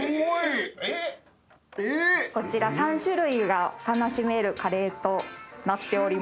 こちら３種類が楽しめるカレーとなっております。